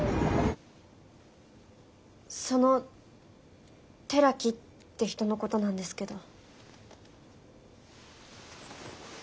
その寺木って人のことなんですけど。